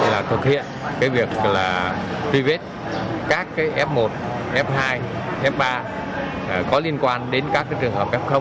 là thực hiện việc phi vết các f một f hai f ba có liên quan đến các trường hợp f